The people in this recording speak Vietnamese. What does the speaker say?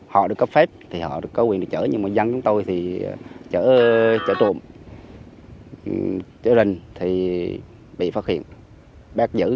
họ được cấp phép thì họ có quyền được chở nhưng mà dân chúng tôi thì chở trộm chở rình thì bị phát hiện bác giữ